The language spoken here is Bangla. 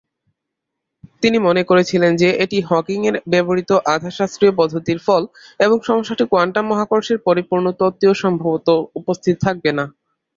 তিনি মনে করেছিলেন যে এটি হকিংয়ের ব্যবহৃত আধা-শাস্ত্রীয় পদ্ধতির ফল, এবং সমস্যাটি কোয়ান্টাম মহাকর্ষের পরিপূর্ণ তত্ত্বে সম্ভবত উপস্থিত থাকবে না।